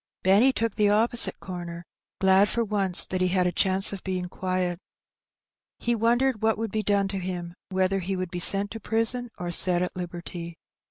Benny took the opposite corner^ glad for once that he had a chance of being qoiet. He wondered what wonld be done to him^ whether he would be sent to prison or set at liberty.